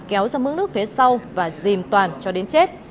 kéo ra mức nước phía sau và dìm toàn cho đến chết